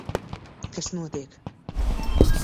Kas notiek?